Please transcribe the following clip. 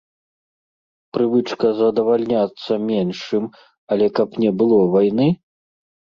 Прывычка задавальняцца меншым, але каб не было вайны?